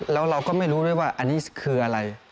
แล้วเราก็ไม่รู้ด้วยว่าอันนี้คืออะไร